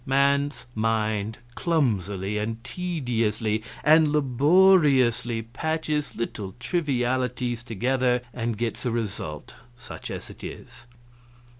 "Man's mind clumsily and tediously and laboriously patches little trivialities together and gets a result such as it is.